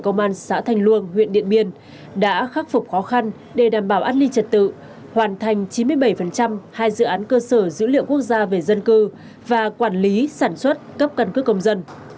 công an xã thành luông huyện điện biên đã khắc phục khó khăn để đảm bảo an ninh trật tự hoàn thành chín mươi bảy hai dự án cơ sở dữ liệu quốc gia về dân cư và quản lý sản xuất cấp căn cước công dân